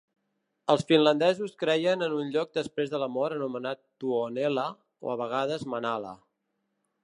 Els finlandesos creien en un lloc després de la mort anomenat Tuonela, o a vegades Manala.